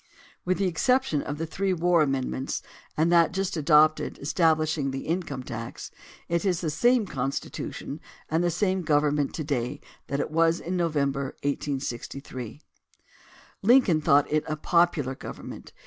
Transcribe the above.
With the exception of the three war amendments, and that just adopted establishing the income tax, it is the same Constitution and the same government to day that it was in November, 1863. Lincoln thought it a popular government.